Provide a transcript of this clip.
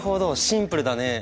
シンプルだね！